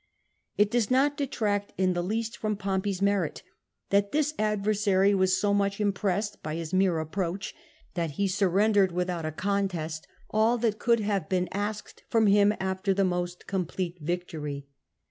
It does not detract in the least from Pompey's merit that this adversary was so much im pressed by his mere approach, that he surrendered with out a contest all that could have been asked from him after the most complete victory.